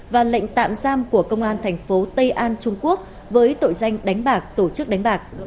và lệnh tạm giam của công an thành phố tây an trung quốc với tội danh đánh bạc tổ chức đánh bạc